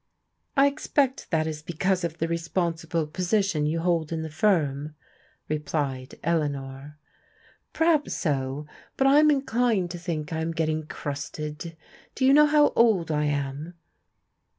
" I expect that is because of the responsible position you hold in the firm/' replied Eleanor. " Perhaps so : but I'm inclined to think I am getting crusted. Do you know how old I am?